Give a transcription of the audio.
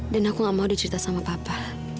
dan aku gak mau diceritain sama papa